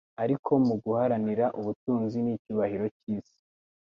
ariko mu guharanira ubutunzi n'icyubahiro cy'isi